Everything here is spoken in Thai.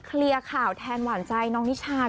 เคลียร์ข่าวแทนหว่าว่าใจน้องนิชากันหน่อย